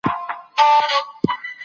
په ادرار کې وینه د ناروغۍ یوه نښه ده.